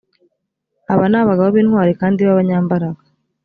aba ni abagabo b’intwari kandi b’abanyambaraga